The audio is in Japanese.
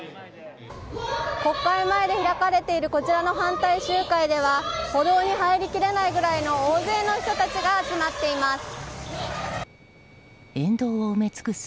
国会前で開かれているこちらの反対集会では歩道に入りきれないくらいの大勢の人たちが集まっています。